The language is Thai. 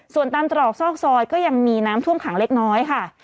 ส่วนตามตรอกซอกซอยก็ยังมีน้ำท่วมขังเล็กน้อยค่ะ